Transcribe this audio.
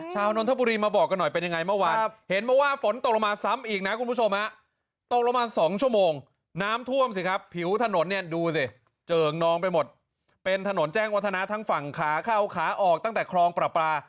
เจิงนองไปหมดเป็นถนนแจ้งวัฒนาทั้งฝั่งขาเข้าขาออกตั้งแต่ครองปราปรา